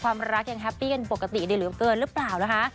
ความรักยังแฮปปี้กันปกติได้หรือเปล่านะคะ